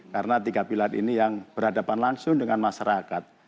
karena tiga pilar ini yang berhadapan langsung dengan masyarakat